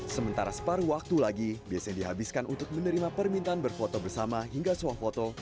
sementara separuh waktu lagi biasanya dihabiskan untuk menerima permintaan berfoto bersama hingga suah foto